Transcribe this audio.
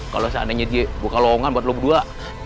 kalau saat ini dia buka longan buat lo berdua